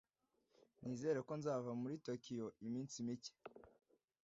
Nizere ko nzava muri Tokiyo iminsi mike.